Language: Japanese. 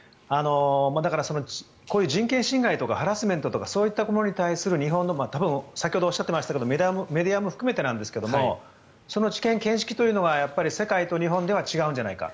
だから、こういう人権侵害とかハラスメントとかそういったものに対する日本の先ほど、おっしゃっていましたがメディアも含めてなんですがその知見、見識というのは世界と日本で違うんじゃないか。